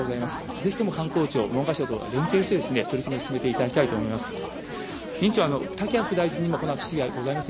ぜひとも観光庁、文科省と連携して、取り組みを進めていただきたいと思います。